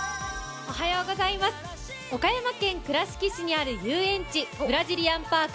岡山県倉敷市にある遊園地、ブラジリアンパーク